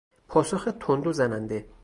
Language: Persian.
پاسخ تند و زننده